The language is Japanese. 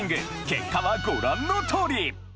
結果はご覧の通り！